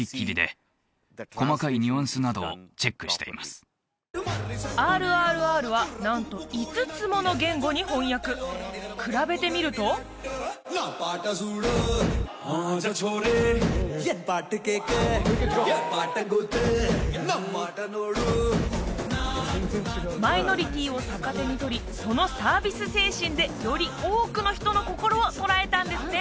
私自身「ＲＲＲ」はなんと５つもの言語に翻訳比べてみるとマイノリティーを逆手に取りそのサービス精神でより多くの人の心を捉えたんですね